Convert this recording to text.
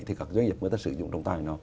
thì các doanh nghiệp người ta sử dụng trồng tài